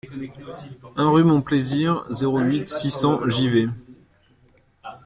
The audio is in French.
un rue Mon Plaisir, zéro huit, six cents, Givet